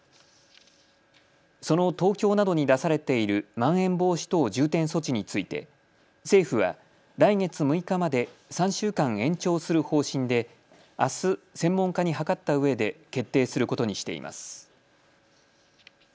その東京などに出されているまん延防止等重点措置について政府は来月６日まで３週間延長する方針であす専門家に諮ったうえで決定することにしています。